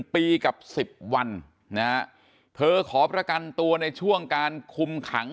ปีกับ๑๐วันนะฮะเธอขอประกันตัวในช่วงการคุมขัง